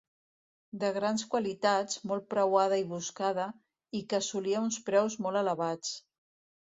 De grans qualitats, molt preuada i buscada, i que assolia uns preus molt elevats.